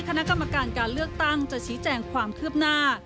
คณะกรรมการการเลือกตั้งจะชี้แจงความคืบหน้า